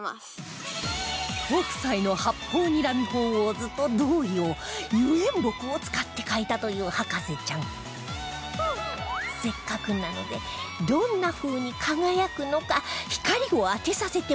北斎の『八方睨み鳳凰図』と同様油煙墨を使って描いたという博士ちゃんせっかくなのでどんな風に輝くのか光を当てさせてもらいましょう